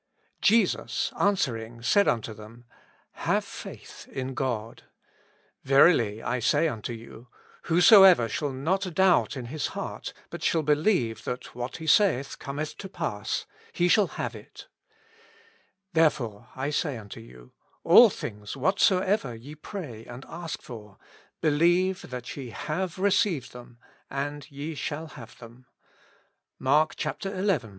Jesus^ answering, said unto thetn, HAVE FAITH IN GoD. Verily I say unto you, Whosoever shall not doubt in his hearty but shall believe that what He saith cometh to pass ; he shall have it, Therefo7'e I say unto you, All things whatsoever ye pray a7id ask for, believe that ye have received them, and ye shall have them, — Mark xi.